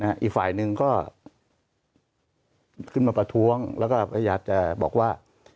อีกฝ่ายหนึ่งก็ขึ้นมาประท้วงแล้วก็พยายามจะบอกว่า